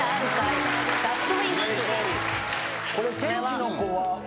これ『天気の子』は。